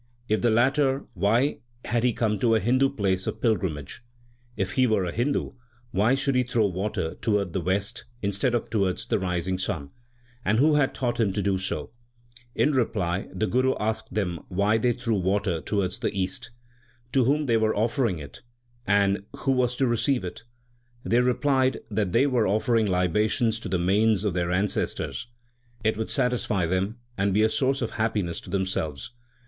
If the latter, why had he come to a Hindu place of pilgrimage ? If he were a Hindu, why should he throw water towards the west instead of towards the rising sun ? And who had taught him to do so ? In reply, the Guru asked them why they threw water towards the east. To whom were they offering it, and who was to receive it ? They replied that they were offering libations to the manes of their ancestors. It would satisfy them, and be a source of happiness to themselves.